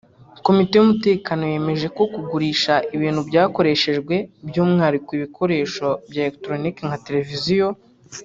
Komite y’Umutekano yemeje ko kugurisha ibintu byakoreshejwe by’umwihariko ibikoresho bya electronics nka televiziyo